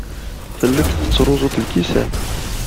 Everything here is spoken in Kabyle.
Telliḍ tettruẓuḍ lkisan.